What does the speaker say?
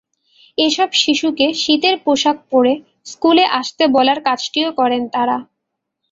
এসব শিশুকে শীতের পোশাক পরে স্কুলে আসতে বলার কাজটিও করেন তাঁরা।